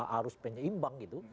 arus penyeimbang gitu